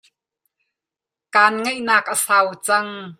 Kaan ngaihnak a sau cang.